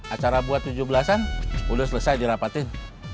acara buat tujuh belas an udah selesai dirapatin